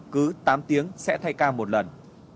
cứ tám tiếng sẽ thay ca một lần